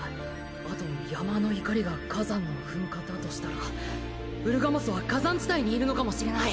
あと山の怒りが火山の噴火だとしたらウルガモスは火山地帯にいるのかもしれない。